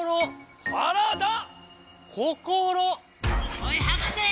おい博士！